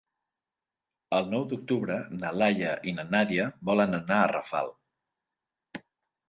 El nou d'octubre na Laia i na Nàdia volen anar a Rafal.